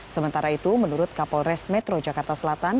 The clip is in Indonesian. sementara itu menurut kapolres metro jakarta selatan